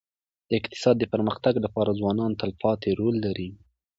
د اقتصاد د پرمختګ لپاره ځوانان تلپاتي رول لري.